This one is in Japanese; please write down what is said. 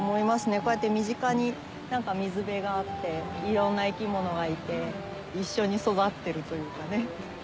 こうやって身近に水辺があっていろんな生き物がいて一緒に育ってるというかね。